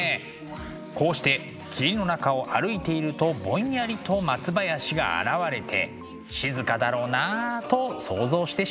こうして霧の中を歩いているとぼんやりと松林が現れて静かだろうなあと想像してしまいます。